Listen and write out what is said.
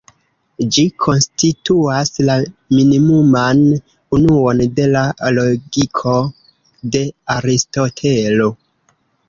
Ĝi konstituas la minimuman unuon de la logiko de Aristotelo.